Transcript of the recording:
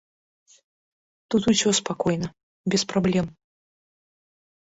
Тут усё спакойна, без праблем.